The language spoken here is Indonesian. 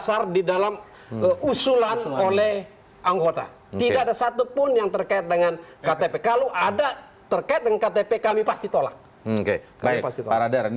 ada menilai pembiayaan